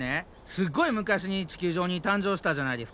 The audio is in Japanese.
すっごい昔に地球上に誕生したじゃないですか。